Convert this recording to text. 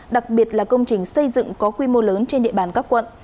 đặc biệt là công trình xây dựng có quy mô lớn hơn